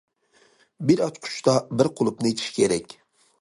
بىر ئاچقۇچتا بىر قۇلۇپنى ئېچىش كېرەك.